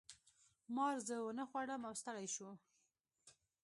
مار زه ونه خوړم او ستړی شو.